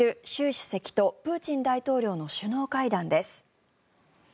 主席とプーチン大統領の首脳会談です。